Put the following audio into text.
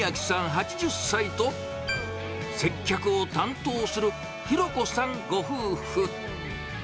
８０歳と、接客を担当する博子さんご夫婦。